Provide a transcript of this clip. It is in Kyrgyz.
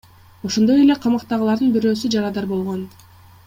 Ошондой эле камактагылардын бирөөсү жарадар болгон.